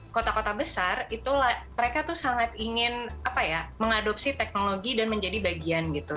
kota kota besar itu mereka tuh sangat ingin mengadopsi teknologi dan menjadi bagian gitu